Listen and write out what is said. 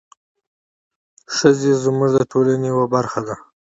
ښځې زموږ د ټولنې یوه برخه ده.